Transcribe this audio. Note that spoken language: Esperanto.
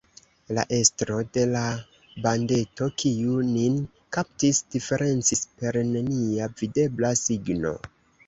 La estro de la bandeto, kiu nin kaptis, diferencis per nenia videbla signo.